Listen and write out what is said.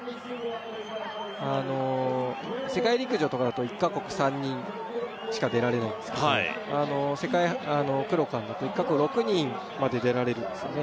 あの世界陸上とかだと１カ国３人しか出られないんですけど世界クロカンだと１カ国６人まで出られるんですね